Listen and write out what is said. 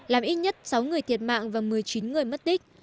làm ít nhất sáu người thiệt mạng và một mươi chín người mất tích